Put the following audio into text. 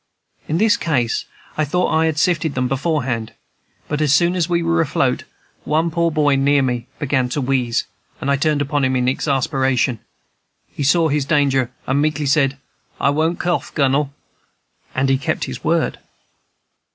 In this case I thought I had sifted them before hand; but as soon as we were afloat, one poor boy near me began to wheeze, and I turned upon him in exasperation. He saw his danger, and meekly said, "I won't cough, Gunnel!" and he kept his word.